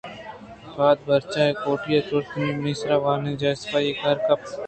پدا بریج ان ءِ کوٹی اِشت ءُنوں منی سر وانگجاہے صفائی ءِ کاراں کپتگ